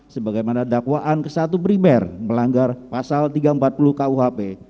sebagaimana dakwaan ke satu primer melanggar pasal tiga ratus empat puluh kuhp